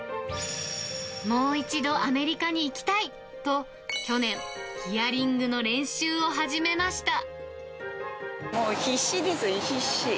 もう一度アメリカに行きたいと、去年、ヒアリングの練習を始めまもう必死です、必死。